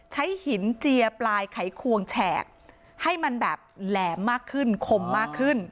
ใช้หินเจียปลายไขควงแฉกให้มันแบบแหลมมากขึ้นคมมากขึ้น